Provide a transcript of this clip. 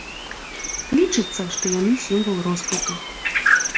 Лічыцца, што яны сімвал росквіту.